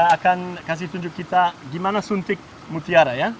akan kasih tunjuk kita gimana suntik mutiara ya